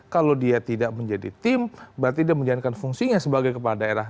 kalau dia tidak menjadi tim berarti dia menjalankan fungsinya sebagai kepala daerah